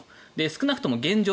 少なくとも現状